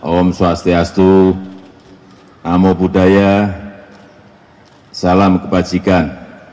om swastiastu namo buddhaya salam kebajikan